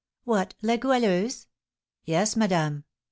"What! La Goualeuse?" "Yes, madame."